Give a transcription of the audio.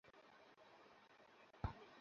এবং আমিও সেগুলো কিনে আনি তারপর বিক্রি করে দিই।